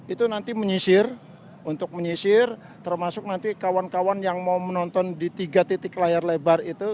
itu nanti menyisir untuk menyisir termasuk nanti kawan kawan yang mau menonton di tiga titik layar lebar itu